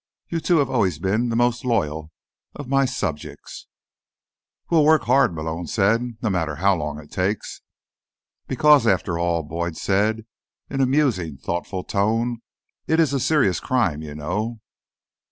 "You two have always been the most loyal of my subjects." "We'll work hard," Malone said. "No matter how long it takes." "Because, after all," Boyd said in a musing, thoughtful tone, "it is a serious crime, you know."